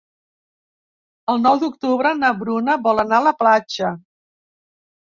El nou d'octubre na Bruna vol anar a la platja.